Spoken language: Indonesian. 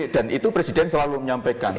dan itu presiden selalu menyampaikan